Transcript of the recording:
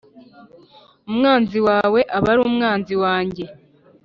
Umwanzi wawe aba ari umwanzi wanjye